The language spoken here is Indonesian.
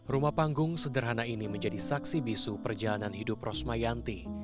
rumah panggung sederhana ini menjadi saksi bisu perjalanan hidup rosmayanti